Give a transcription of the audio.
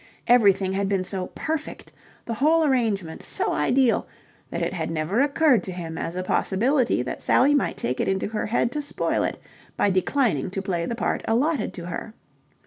Everything had been so perfect, the whole arrangement so ideal, that it had never occurred to him as a possibility that Sally might take it into her head to spoil it by declining to play the part allotted to her.